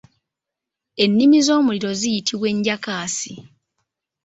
Ennimi z'omuliro ziyitibwa enjakaasi.